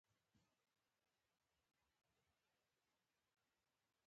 شريف نومېږي د کابل د څېړنيز مرکز مشر دی.